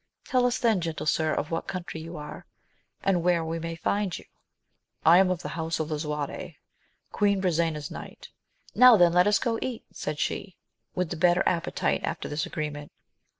Tell us then, gentle sir, of what country you are, and where we may find you ? I am of the house of Lisuarte, Queen Brisena's knight. Now then, let us go eat, said she, with the better appetite after this agreement.